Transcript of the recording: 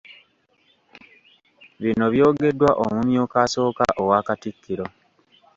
Bino byogeddwa omumyuka asooka owa Katikkiro.